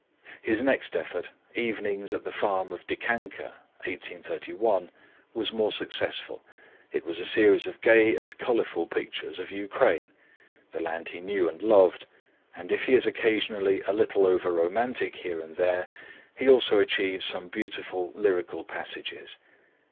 His next effort, Evenings at the Farm of Dikanka (1831) was more successful. It was a series of gay and colourful pictures of Ukraine, the land he knew and loved, and if he is occasionally a little over romantic here and there, he also achieves some beautifully lyrical passages.